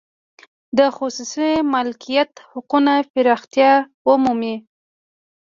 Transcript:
د خصوصي مالکیت حقونه پراختیا ومومي.